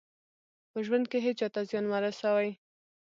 په ژوند کې هېڅ چا ته زیان مه رسوئ.